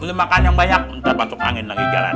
beli makan yang banyak ntar masuk angin lagi jalanan